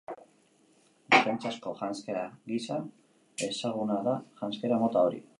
Defentsazko janzkera gisa ezaguna da janzkera mota hori.